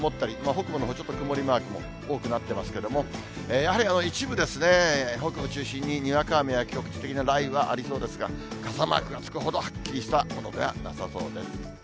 北部のほう、ちょっと曇りマークも多くなっていますけれども、やはり一部ですね、北部中心ににわか雨や局地的な雷雨がありそうですが、傘マークがつくほどはっきりしたものではなさそうです。